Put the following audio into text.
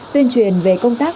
tuyên truyền về công tác